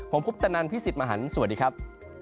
ผมคุปตนันพี่สิทธิ์มหันฯสวัสดีครับ